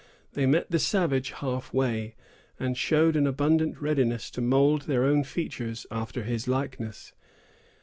They met the savage half way, and showed an abundant readiness to mould their own features after his likeness.